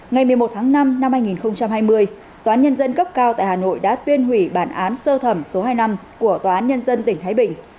ngày một mươi một tháng năm năm hai nghìn hai mươi toàn nhân dân cấp cao tại hà nội đã tuyên hủy bản án xơ thẩm số hai năm của toàn nhân dân tỉnh thái bình